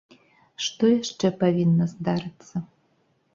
Што яшчэ павінна здарыцца?